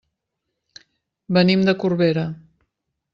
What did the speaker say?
Venim de Corbera.